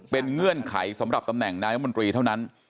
เป็นเงื่อนไขสำหรับตำแหน่งนายมนตรีเท่านั้น